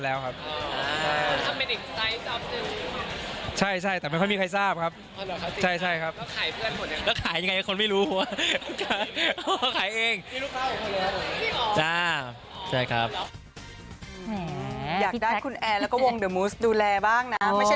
แล้วขายเพื่อนคนเอง